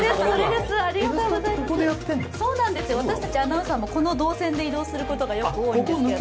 私たちアナウンサーも、この動線で移動することが多いんですけども。